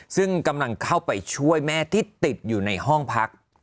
ซึ่งกำลังเข้าไปช่วยแม่ที่ติดอยู่ในห้องพัก